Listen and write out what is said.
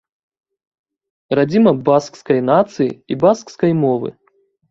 Радзіма баскскай нацыі і баскскай мовы.